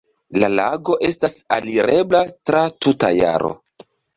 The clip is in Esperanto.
La lago estas alirebla tra tuta jaro.